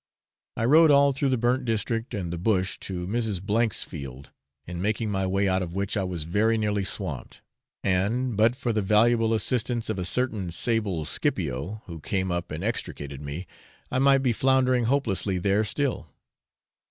_ I rode all through the burnt district and the bush to Mrs. W 's field, in making my way out of which I was very nearly swamped, and, but for the valuable assistance of a certain sable Scipio who came up and extricated me, I might be floundering hopelessly there still.